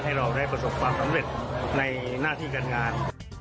ให้เราได้ประสบความสำเร็จในหน้าที่การงาน